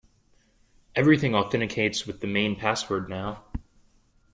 Everything authenticates with the main password now.